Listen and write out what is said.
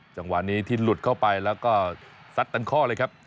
จังหวะนี้ที่หลุดเข้าไปแล้วก็ซัดเต็มข้อเลยครับ